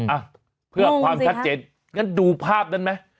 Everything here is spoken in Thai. อ่ะเพื่อความชัดเจนงั้นดูภาพนั้นไหม